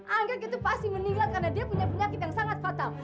angket itu pasti meninggal karena dia punya penyakit yang sangat fatal